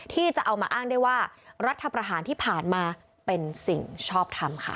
ที่จะเอามาอ้างได้ว่ารัฐประหารที่ผ่านมาเป็นสิ่งชอบทำค่ะ